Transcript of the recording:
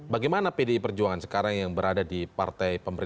bagaimana pdi perjuangan sekarang yang berada di partai pemerintah